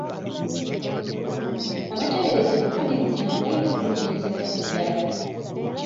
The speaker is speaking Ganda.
Abateeberezebwa okuba n'emisango balina okunoonyerezebwako ddala.